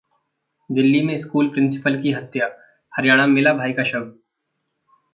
दिल्ली में school principal की हत्या, हरियाणा में मिला भाई का शव